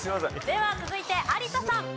では続いて有田さん。